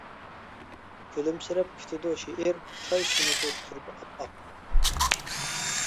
كۈلۈمسىرەپ كۈتىدۇ شېئىر، چاي سۇنىدۇ تۇرۇبا ئاپئاق.